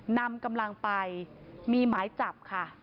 นำกำลังไปมีหมายจับค่ะ